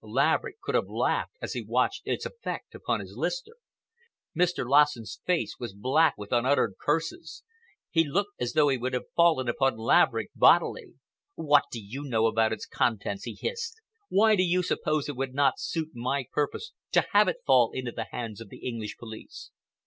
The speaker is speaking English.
Laverick could have laughed as he watched its effect upon his listener. Mr. Lassen's face was black with unuttered curses. He looked as though he would have fallen upon Laverick bodily. "What do you know about its contents?" he hissed. "Why do you suppose it would not suit my purpose to have it fall into the hands of the English police?"